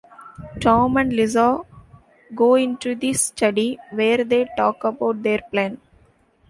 Tom and Lisa go into the study where they talk about their plan.